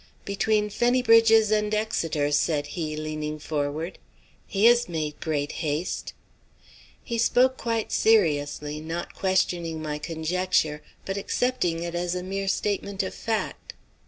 "Between Fenny Bridges and Exeter," said he, leaning forward. "He has made great haste." He spoke quite seriously, not questioning my conjecture, but accepting it as a mere statement of fact.